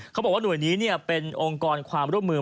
เขาบอกว่าหน่วยนี้เป็นองค์กรความร่วมมือ